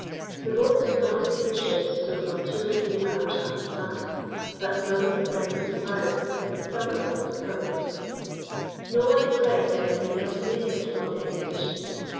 The boats did not leave the ships till some two or three hours after dark, that none of the friends of the pirates might discover what had occurred. No one expected anything but amusement from the expedition.